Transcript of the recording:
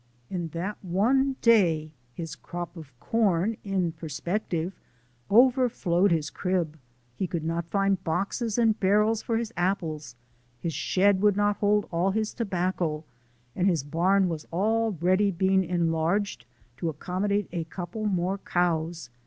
In that one day his crop of corn, in perspective, overflowed his crib, he could not find boxes and barrels for his apples, his shed would not hold all his tobacco, and his barn was already being enlarged to accommodate a couple more cows!